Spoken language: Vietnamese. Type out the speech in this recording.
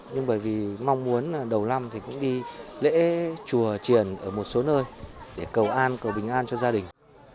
nhưng bởi vì mong muốn đầu năm thì cũng đi lễ chùa triển ở một số nơi để cầu an cầu bình an cho gia đình